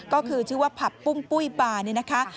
ก็คือชื่อว่าผับปุ้มปุ้ยปลานี่นะคะ